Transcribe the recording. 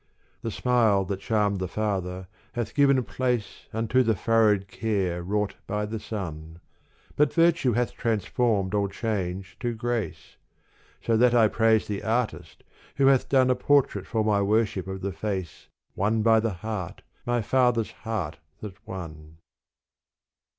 The smile that charmed the father hath given place Unto the furrowed care wrought, by the son : But virtue hath transformed all change to grace. So that I praise the artist who hath done A portrait for my worship of the face Won by the heart my father's heart that won.